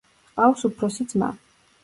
ჰყავს უფროსი ძმა.